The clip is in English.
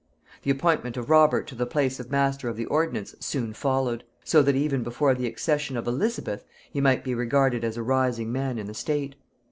The appointment of Robert to the place of master of the ordnance soon followed; so that even before the accession of Elizabeth he might be regarded as a rising man in the state.